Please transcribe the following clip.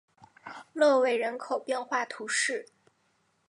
勒韦人口变化图示